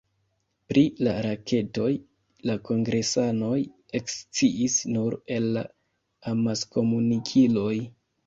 Pri la raketoj la kongresanoj eksciis nur el la amaskomunikiloj.